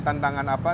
kebanyakan dari negara